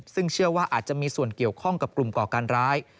ซึ่งเชื่อว่าอาจจะมีส่วนเกี่ยวข้องกับกลุ่มก่อการร้าย